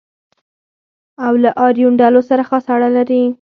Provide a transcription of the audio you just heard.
او له آریون ډلو سره خاصه اړه لري.